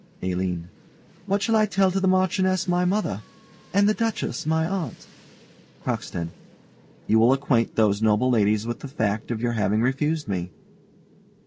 ALINE. What shall I say to the Marchioness, my mother, and the Duchess, my aunt? CROCKSTEAD. You will acquaint those noble ladies with the fact of your having refused me.